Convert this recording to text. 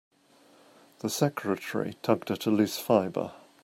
The secretary tugged at a loose fibre.